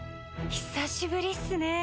久しぶりっすね